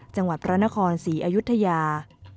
จังหวัดพระนครศรีอยุธยา